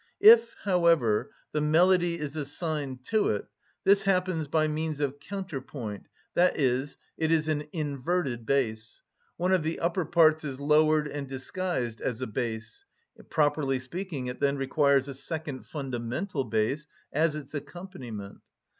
If, however, the melody is assigned to it, this happens by means of counterpoint, i.e., it is an inverted bass—one of the upper parts is lowered and disguised as a bass; properly speaking, it then requires a second fundamental bass as its accompaniment.